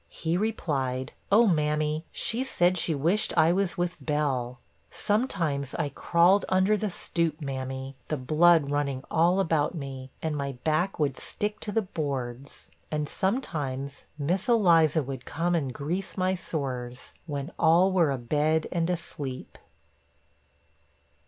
he replied, 'Oh, mammy, she said she wished I was with Bell. Sometimes I crawled under the stoop, mammy, the blood running all about me, and my back would stick to the boards; and sometimes Miss Eliza would come and grease my sores, when all were abed and asleep.'